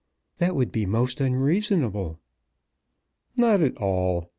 "That would be most unreasonable." "Not at all.